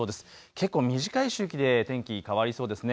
結構短い周期で天気変わりそうですね。